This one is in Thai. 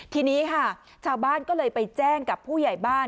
ทีนี้ค่ะชาวบ้านก็เลยไปแจ้งกับผู้ใหญ่บ้าน